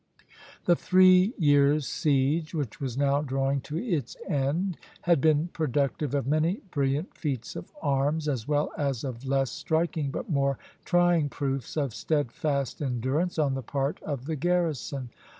The three years' siege which was now drawing to its end had been productive of many brilliant feats of arms, as well as of less striking but more trying proofs of steadfast endurance, on the part of the garrison.